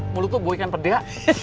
mulutmu boikan peda